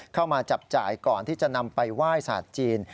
เข้ามาจับจ่ายก่อนที่จะนำไปไหว้ศาสตร์จีน